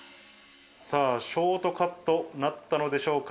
さぁ、ショートカットなったのでしょうか？